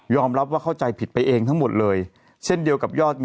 ยอมรับว่าเข้าใจผิดไปเองทั้งหมดเลย